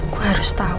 gue harus tahu